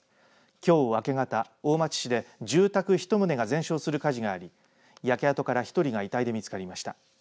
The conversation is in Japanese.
きょう明け方、大町市で住宅１棟が全焼する火事があり焼け跡から１人が遺体で見つかりました。